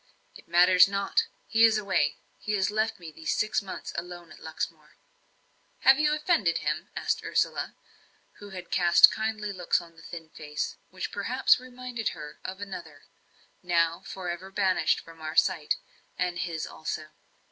"It matters not he is away. He has left me these six months alone at Luxmore." "Have you offended him?" asked Ursula, who had cast kindly looks on the thin face, which perhaps reminded her of another now for ever banished from our sight, and his also.